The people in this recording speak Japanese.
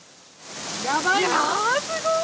やばい。